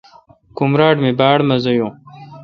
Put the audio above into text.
کمراٹ می باڑ مزا یون۔